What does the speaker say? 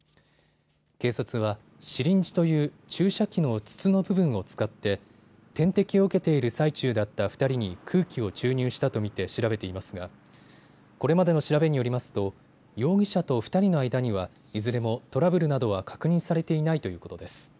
警察はシリンジという注射器の筒の部分を使って点滴を受けている最中だった２人に空気を注入したとみて調べていますがこれまでの調べによりますと容疑者と２人の間にはいずれもトラブルなどは確認されていないということです。